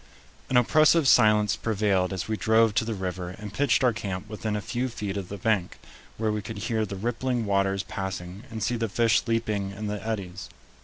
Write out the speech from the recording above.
An oppressive silence prevailed as we drove to the river and pitched our camp within a few feet of the bank, where we could hear the rippling waters passing and see the fish leaping in the eddies.